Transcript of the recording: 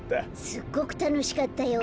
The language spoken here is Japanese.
すっごくたのしかったよ。